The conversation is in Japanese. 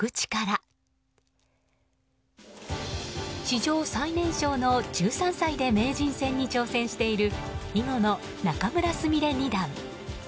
史上最年少の１３歳で名人戦に挑戦している囲碁の仲邑菫二段。